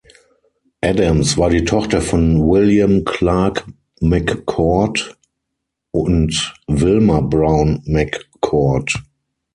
Adams war die Tochter von William Clark McCord und Wilmah Brown McCord.